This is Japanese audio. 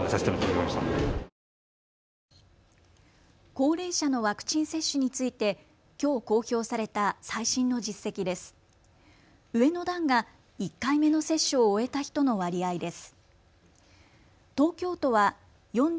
高齢者のワクチン接種についてきょう公表された最新の実績です。